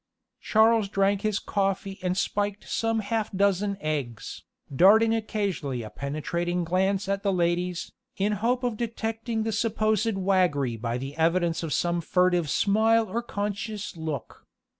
Charles drank his coffee and spiked some half dozen eggs, darting occasionally a penetrating glance at the ladies, in hope of detecting the supposed waggery by the evidence of some furtive smile or conscious look.